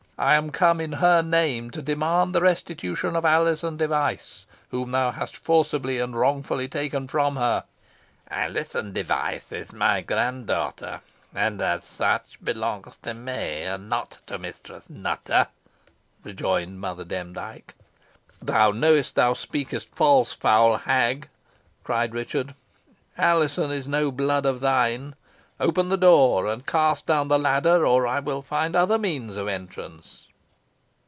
"I am come in her name to demand the restitution of Alizon Device, whom thou hast forcibly and wrongfully taken from her." "Alizon Device is my grand daughter, and, as such, belongs to me, and not to Mistress Nutter," rejoined Mother Demdike. "Thou knowest thou speakest false, foul hag!" cried Richard. "Alizon is no blood of thine. Open the door and cast down the ladder, or I will find other means of entrance."